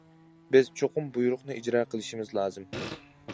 بىز چوقۇم بۇيرۇقنى ئىجرا قىلىشىمىز لازىم.